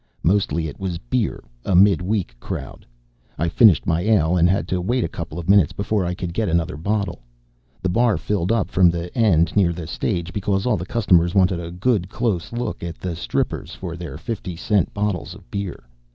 Mostly it was beer a midweek crowd. I finished my ale and had to wait a couple of minutes before I could get another bottle. The bar filled up from the end near the stage because all the customers wanted a good, close look at the strippers for their fifty cent bottles of beer.